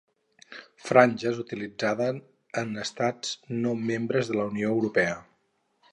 Franges utilitzades en estats no membres de la Unió Europea.